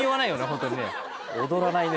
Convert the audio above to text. ホントにねおどらないね